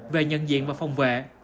về nhận diện và phòng vệ